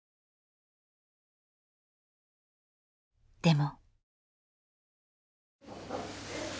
でも。